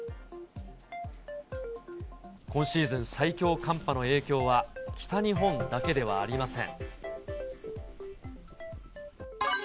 今シーズン最強寒波の影響は、北日本だけではありません。